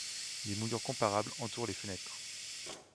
Des moulures comparables entourent les fenêtres.